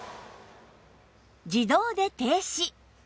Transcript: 自動で停止